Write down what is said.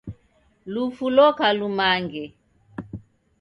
Lufu loka lumange